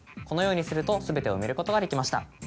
このようにすると全て埋めることができました。